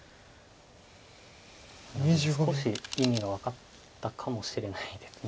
少し意味が分かったかもしれないです。